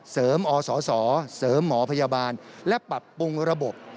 อสเสริมหมอพยาบาลและปรับปรุงระบบ